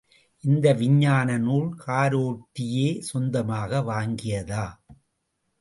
இந்த விஞ்ஞான நூல், கரோட்டியே சொந்தமாக வாங்கியதா?